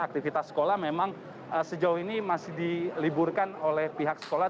aktivitas sekolah memang sejauh ini masih diliburkan oleh pihak sekolah